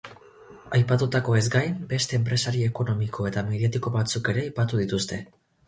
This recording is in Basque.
Aipatutakoez gain, beste enpresari ekonomiko eta mediatiko batzuk ere aipatu dituzte.